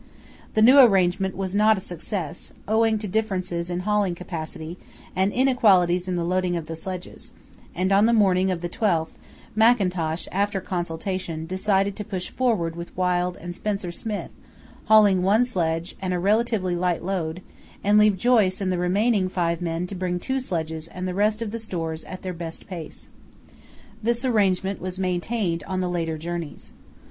The new arrangement was not a success, owing to differences in hauling capacity and inequalities in the loading of the sledges; and on the morning of the 12th, Mackintosh, after consultation, decided to push forward with Wild and Spencer Smith, hauling one sledge and a relatively light load, and leave Joyce and the remaining five men to bring two sledges and the rest of the stores at their best pace. This arrangement was maintained on the later journeys.